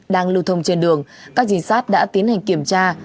đang lưu thông trên đường các trinh sát đã tiến hành kiểm tra